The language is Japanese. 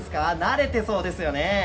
慣れてそうですよね。